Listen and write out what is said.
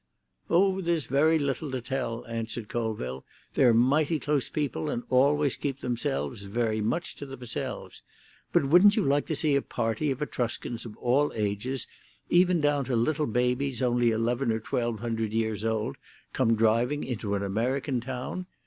"Oh, there's very little to tell," answered Colville. "They're mighty close people, and always keep themselves very much to themselves. But wouldn't you like to see a party of Etruscans of all ages, even down to little babies only eleven or twelve hundred years old, come driving into an American town?